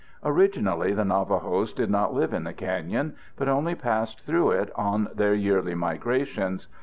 Originally the Navajos did not live in the canyon, but only passed through it on their yearly migrations.